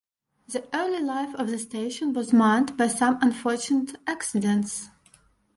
The early life of the station was marred by some unfortunate accidents.